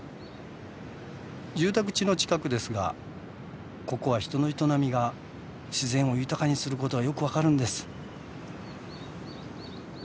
住宅地の近くですがここは人の営みが自然を豊かにすることがよく分かるんです。